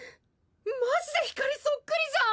マジでヒカリそっくりじゃん。